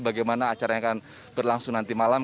bagaimana acara yang akan berlangsung nanti malam